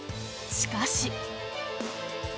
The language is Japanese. しかし。